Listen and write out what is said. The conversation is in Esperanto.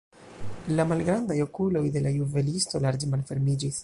La malgrandaj okuloj de la juvelisto larĝe malfermiĝis.